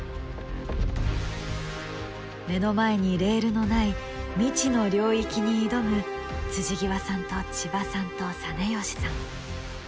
目の前にレールのない未知の領域に挑む極さんと千葉さんと實吉さん。